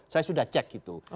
saya sudah cek gitu